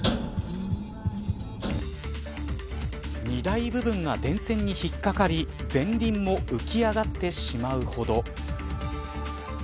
荷台部分が電線に引っかかり前輪も浮き上がってしまうほど。